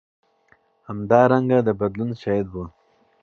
همدارنګه د بدلون شاهد و.